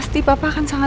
tidak ada hubungannya